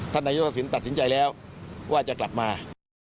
นายกทักษิณตัดสินใจแล้วว่าจะกลับมา